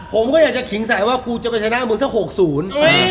ผมก็อยากที่จะคิงใส่ว่ากูจะไปชนะมาเปลืองเสีย๖๐